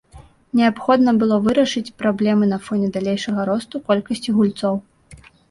Неабходна было вырашыць праблемы на фоне далейшага росту колькасці гульцоў.